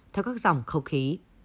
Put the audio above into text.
theo các dòng khẩu khí